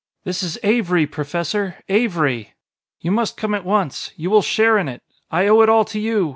"This is Avery, Professor Avery! You must come at once. You will share in it; I owe it all to you